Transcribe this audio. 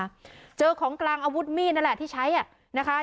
เหมาะสำวาเจอของกลางอาวุธมีดนั่นแหละที่ใช้อ่ะนะคะ